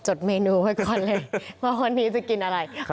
จดเมนูไว้ก่อนเลยว่าวันนี้จะกินอะไร